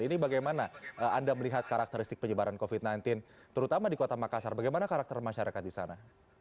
ini bagaimana anda melihat karakteristik penyebaran covid sembilan belas terutama di kota makassar bagaimana karakter masyarakat di sana